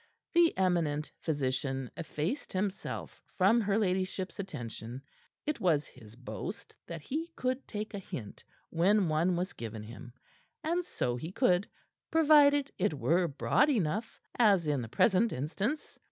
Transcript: The eminent physician effaced himself from her ladyship's attention. It was his boast that he could take a hint when one was given him; and so he could, provided it were broad enough, as in the present instance.